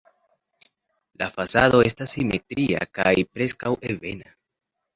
La fasado estas simetria kaj preskaŭ ebena.